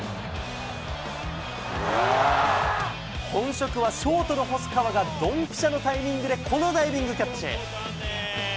本職はショートの細川が、どんぴしゃのタイミングでこのダイビングキャッチ。